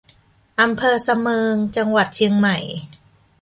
อำเภอสะเมิง จังหวัดเชียงใหม่